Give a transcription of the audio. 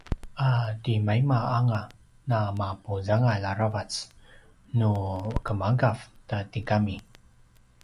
a timaima anga namapuzangal aravac nu gemaugav ta tigami